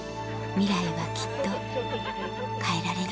ミライはきっと変えられる